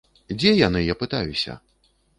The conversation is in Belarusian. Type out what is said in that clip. Дзе яны, я пытаюся!